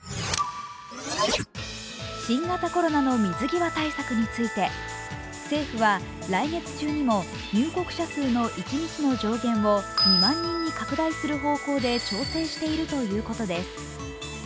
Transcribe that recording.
新型コロナの水際対策について、政府は来月中にも入国者数の一日の上限を２万人に拡大する方向で調整しているということです。